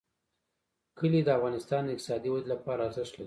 کلي د افغانستان د اقتصادي ودې لپاره ارزښت لري.